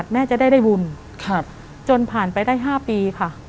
แต่ขอให้เรียนจบปริญญาตรีก่อน